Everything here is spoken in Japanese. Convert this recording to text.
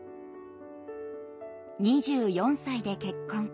２４歳で結婚。